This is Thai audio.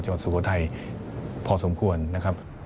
จังหวัดสุโขทัยพอสมควรนะครับ